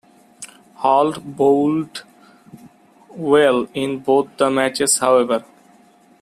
Hall bowled well in both the matches, however.